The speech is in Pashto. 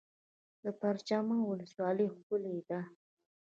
د پرچمن ولسوالۍ ښکلې ده